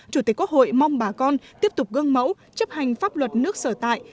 chủ tịch quốc hội mong bà con tiếp tục gương mẫu chấp hành pháp luật nước sở tại